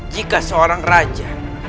jika seorang raja